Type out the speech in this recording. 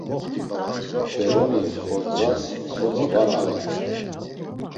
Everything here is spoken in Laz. Beroni Xordzas soti var alen.